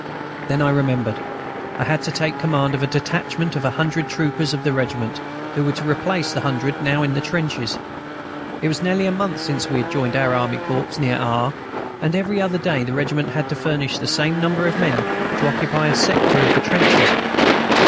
Then I remembered: I had to take command of a detachment of a hundred troopers of the regiment, who were to replace the hundred now in the trenches. It was nearly a month since we had joined our Army Corps near R., and every other day the regiment had to furnish the same number of men to occupy a sector of the trenches.